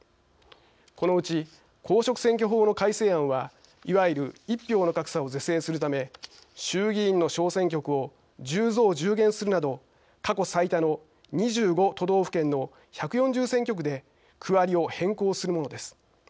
このうち、公職選挙法の改正案はいわゆる一票の格差を是正するため衆議院の小選挙区を「１０増１０減」するなど過去最多の２５都道府県の１４０選挙区で区割りを変更するものです。